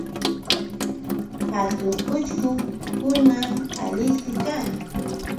Hatun uchkukunam Alispi kan.